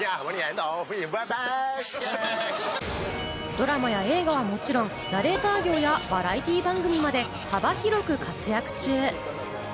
ドラマや映画はもちろん、ナレーター業やバラエティー番組まで幅広く活躍中。